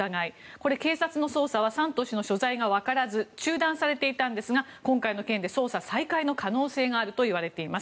これ、警察の捜査はサントス氏の所在が分からず中断されていたんですが今回の件で、捜査再開の可能性があるといわれています。